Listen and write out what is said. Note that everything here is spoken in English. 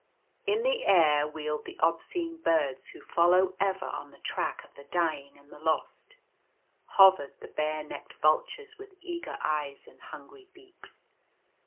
In the air wheeled the obscene birds who follow ever on the track of the dying and the lost. Hovered the bare necked vultures with eager eyes, and hungry beaks.